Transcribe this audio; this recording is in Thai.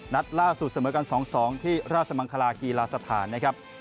นัดล่าสุดเสมอกัน๒๒ที่ราชมังคลากีฬาสถานนะครับ